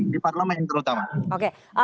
di parlemen terutama